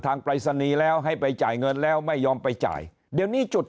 ปรายศนีย์แล้วให้ไปจ่ายเงินแล้วไม่ยอมไปจ่ายเดี๋ยวนี้จุด